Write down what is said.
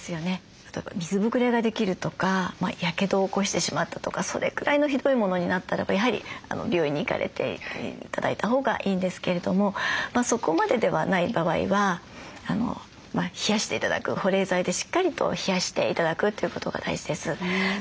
例えば水ぶくれができるとかやけどを起こしてしまったとかそれくらいのひどいものになったらばやはり病院に行かれて頂いたほうがいいんですけれどもそこまでではない場合は冷やして頂く保冷材でしっかりと冷やして頂くということが大事です。